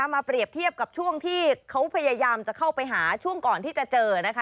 เปรียบเทียบกับช่วงที่เขาพยายามจะเข้าไปหาช่วงก่อนที่จะเจอนะคะ